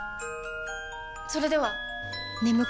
それでは！